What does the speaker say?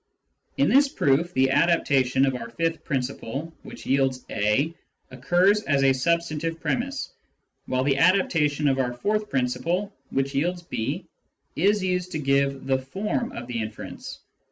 In this proof, the adaptation of our fifth principle, which yields A, occurs as a substantive premiss ; while the adaptation of our fourth principle, which yields B, is used to give the form of the inference.